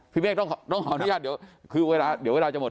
พี่แมกต้องคออนุญาตเดี๋ยวเวลาจะหมด